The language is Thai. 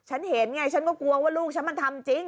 ฉันเห็นไงฉันก็กลัวว่าลูกฉันมันทำจริง